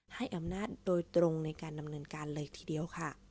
ให้อำนาจโดยตรงในการดำเนินการเลยทีเดียวค่ะ